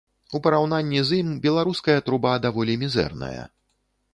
У параўнанні з ім беларуская труба даволі мізэрная.